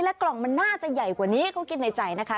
กล่องมันน่าจะใหญ่กว่านี้เขาคิดในใจนะคะ